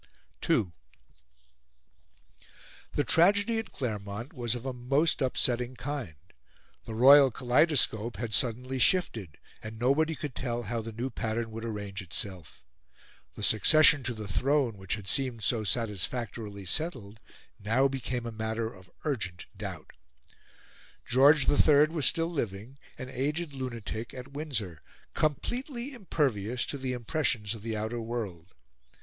II The tragedy at Claremont was of a most upsetting kind. The royal kaleidoscope had suddenly shifted, and nobody could tell how the new pattern would arrange itself. The succession to the throne, which had seemed so satisfactorily settled, now became a matter of urgent doubt. George III was still living, an aged lunatic, at Windsor, completely impervious to the impressions of the outer world.